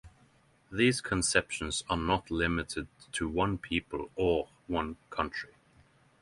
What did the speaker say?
These conceptions are not limited to one people or one country.